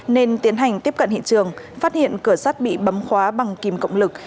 nên tiến hành tiếp cận hiện trường phát hiện cửa sắt bị bấm khóa bằng kìm cộng lực